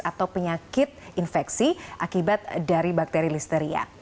atau penyakit infeksi akibat dari bakteri listeria